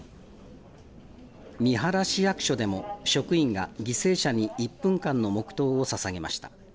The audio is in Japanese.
三原市役所でも職員が犠牲者に１分間の黙とうをささげました。